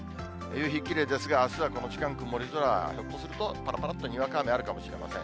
夕日、きれいですが、あすはこの時間、曇り空、ひょっとすると、ぱらぱらっとにわか雨、あるかもしれません。